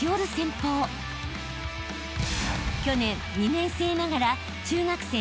［去年２年生ながら中学生